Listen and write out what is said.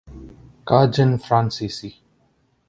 کاجن فرانسیسی